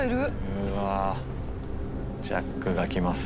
うわあジャックが来ます。